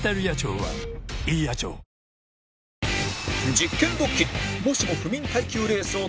実験ドッキリ！